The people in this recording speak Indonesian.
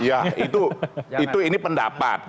ya itu ini pendapat